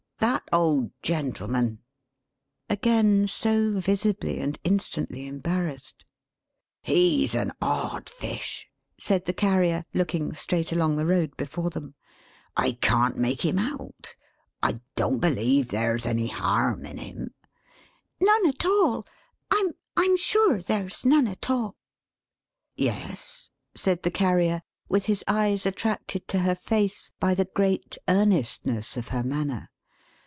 "That old gentleman," Again so visibly, and instantly embarrassed. "He's an odd fish," said the Carrier, looking straight along the road before them. "I can't make him out. I don't believe there's any harm in him." "None at all. I'm I'm sure there's none at all." "Yes?" said the Carrier, with his eyes attracted to her face by the great earnestness of her manner.